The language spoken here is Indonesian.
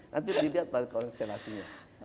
nanti di lihat konsentrasinya